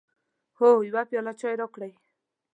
هو، یو پیاله چای راکړئ